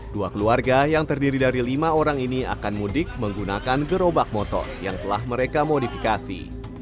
dua keluarga yang terdiri dari lima orang ini akan mudik menggunakan gerobak motor yang telah mereka modifikasi